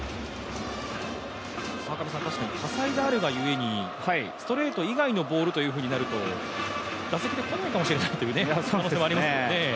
確かに多彩であるが故にストレート以外の球となると打席が来ないかもしれないという可能性がありますね。